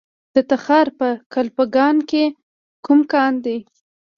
د تخار په کلفګان کې کوم کان دی؟